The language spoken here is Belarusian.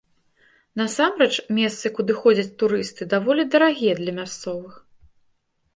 Насамрэч, месцы, куды ходзяць турысты, даволі дарагія для мясцовых.